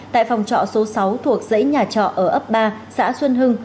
tại phòng chọ số sáu thuộc dãy nhà chọ ở ấp ba xã xuân hưng